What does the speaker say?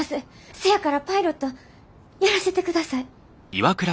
せやからパイロットやらせてください。